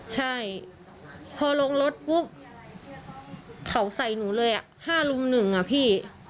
ใช่พอลงรถปุ๊บเขาใส่หนูเลย๕ลุมหนึ่งอ่ะพี่